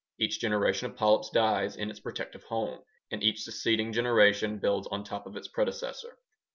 Each generation of polyps dies in its protective home and each succeeding generation builds on top of its predecessor.